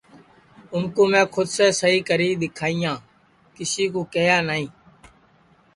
اُن کُو میں کھود سے سہی کری دؔیکھائیاں کیسی کیہیا نائی